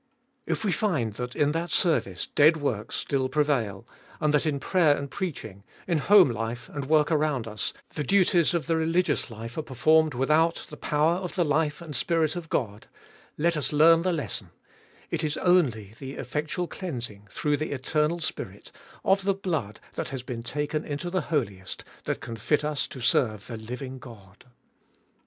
If we find that in that service dead works still prevail, and that in prayer and preaching, in home life and work around us, the duties of the religious life are performed without the power of the life and Spirit of God, let us learn the lesson — it is only the effectual cleansing, through the Eternal Spirit, of the blood that has been taken into the Holiest, that can fit us to serve the living God.